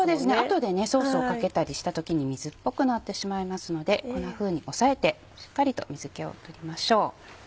後でソースをかけたりした時に水っぽくなってしまいますのでこんなふうに押さえてしっかりと水気を取りましょう。